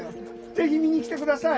ぜひ見に来て下さい。